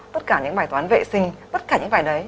tất cả những bài toán vệ sinh tất cả những bài đấy